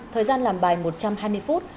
thời gian làm bài một trăm hai mươi phút